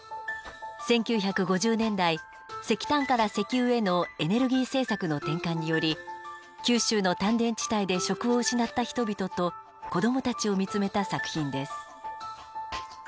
１９５０年代石炭から石油へのエネルギー政策の転換により九州の炭田地帯で職を失った人々と子どもたちを見つめた作品です。